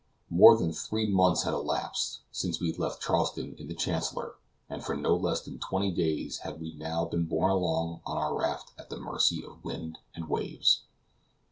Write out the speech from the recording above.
More than three months had elapsed since we left Charleston in the Chancellor, and for no less than twenty days had we now been borne along on our raft at the mercy of the wind and waves.